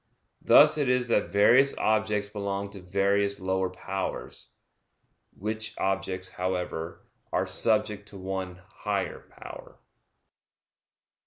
Thus it is that various objects belong to various lower powers; which objects, however, are subject to one higher power.